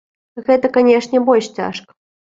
Гэта, канешне, больш цяжка.